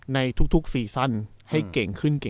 ในทุกสีซันให้เก่งขึ้น